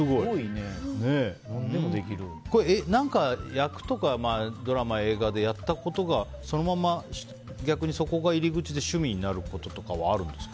役とかドラマ、映画でやったことがそのまま、逆にそこが入り口で、趣味になることはありますか。